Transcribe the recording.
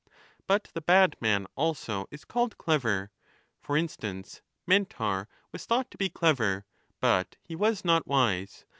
But the bad man also is called clever ; for instance, Mentor was thought to be clever, but he was not wise.